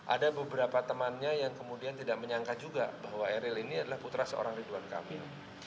ada beberapa temannya yang kemudian tidak menyangka juga bahwa eril ini adalah putra seorang ridwan kamil